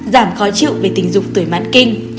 bốn giảm khó chịu về tinh dục tuổi mãn kinh